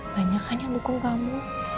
banyakan yang dukung kamu